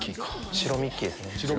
白ミッキーですね。